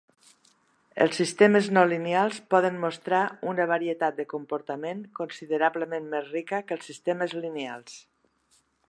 Els sistemes no lineals poden mostrar una varietat de comportament considerablement més rica que els sistemes lineals.